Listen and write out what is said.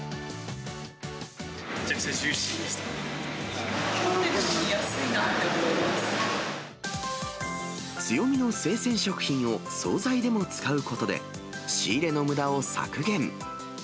めちゃくちゃジューシーでし凝ってるのに安いなと思いま強みの生鮮食品を総菜でも使うことで、仕入れのむだを削減。